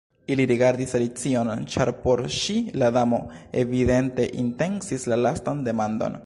Ili rigardis Alicion, ĉar por ŝi la Damo evidente intencis la lastan demandon.